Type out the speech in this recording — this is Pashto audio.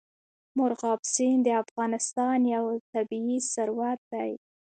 مورغاب سیند د افغانستان یو طبعي ثروت دی.